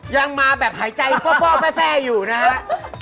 ยังมาแบบหายใจฟ่อแฟ่อยู่นะครับ